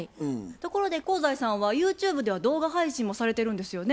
ところで香西さんはユーチューブでは動画配信もされてるんですよね？